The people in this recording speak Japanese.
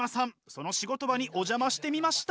その仕事場にお邪魔してみました。